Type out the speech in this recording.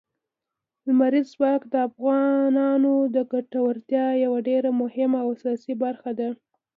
لمریز ځواک د افغانانو د ګټورتیا یوه ډېره مهمه او اساسي برخه ده.